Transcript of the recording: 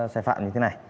sai phạm như thế này